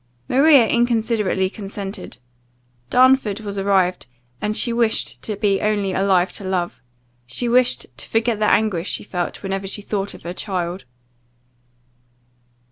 Maria inconsiderately consented Darnford was arrived, and she wished to be only alive to love; she wished to forget the anguish she felt whenever she thought of her child.